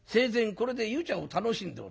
これで湯茶を楽しんでおった。